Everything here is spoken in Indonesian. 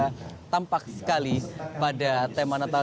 ini juga tampak sekali pada tema natal